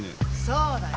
そうだよ。